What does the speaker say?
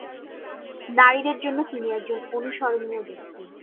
নারীদের জন্য তিনি একজন অনুসরণীয় ব্যক্তি।